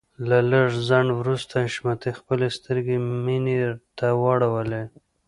له لږ ځنډ وروسته حشمتي خپلې سترګې مينې ته واړولې.